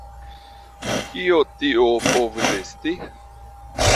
Kio tio povus esti?